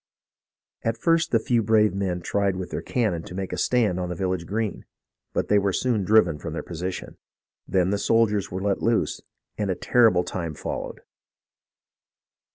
At first the few brave men tried with their cannon to make a stand on the village green, but they were soon driven from their position. Then the soldiers were let loose, and a terrible time followed.